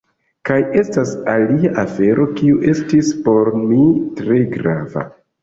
Kaj estas alia afero kiu estis por mi tre grava.